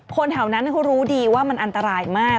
คนแถวนั้นเขารู้ดีว่ามันอันตรายมาก